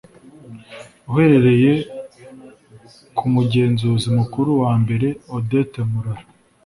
Uhereye ku Mugenzuzi Mukuru wa Mbere, Odette Murara